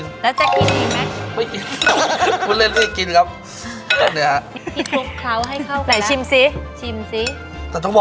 ยืนเส้นพอเข้ากับน้ำแล้ว